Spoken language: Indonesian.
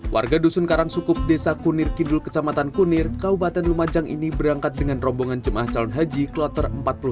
warga dusun karangsukup desa kunir kidul kecamatan kunir kabupaten lumajang ini berangkat dengan rombongan jemaah calon haji kloter empat puluh dua